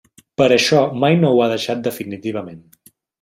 Per això mai no ho ha deixat definitivament.